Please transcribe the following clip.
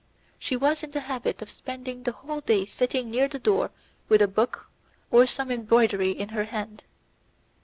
She was in the habit of spending the whole day sitting near the door with a book or some embroidery in her hand.